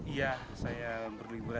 iya saya berlibur